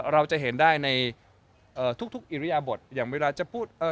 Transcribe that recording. เราจะเห็นได้ในเอ่อทุกอิริยบทอย่างเวลาจะพูด